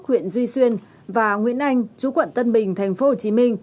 huyện duy xuyên và nguyễn anh chú quận tân bình tp hcm